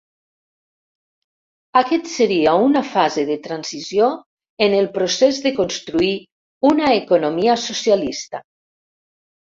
Aquest seria una fase de transició en el procés de construir una economia socialista.